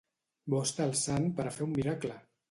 Bo està el sant per a fer un miracle!